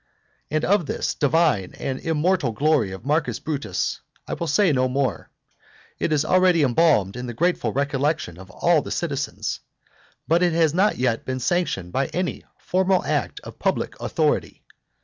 And of this divine and immortal glory of Marcus Brutus I will say no more, it is already embalmed in the grateful recollection of all the citizens, but it has not yet been sanctioned by any formal act of public authority.